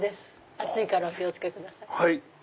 熱いからお気を付けください。